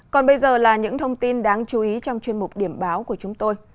còn bây giờ là những thông tin đáng chú ý trong chuyên mục điểm báo của chúng tôi